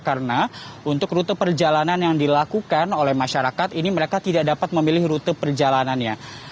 karena untuk rute perjalanan yang dilakukan oleh masyarakat ini mereka tidak dapat memilih rute perjalanannya